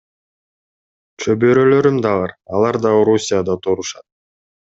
Чөбөрөлөрүм да бар, алар да Орусияда турушат.